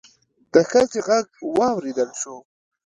د ښځې غږ واوريدل شو.